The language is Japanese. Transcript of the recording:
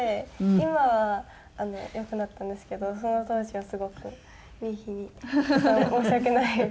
今は良くなったんですけどその当時はすごくＭＩＩＨＩに申し訳ない。